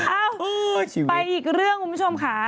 เอ้าไปอีกเรื่องคุณผู้ชมค่ะ